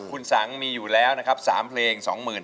คุณสั่งมีอยู่แล้วนะครับ๓เพลง๒หมื่น